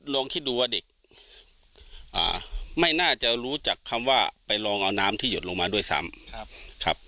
ลองคิดดูว่าเด็กไม่น่าจะรู้จากคำว่าไปลองเอาน้ำที่หยดลงมาด้วยซ้ำครับ